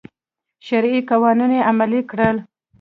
شرعي قوانین یې عملي کړل.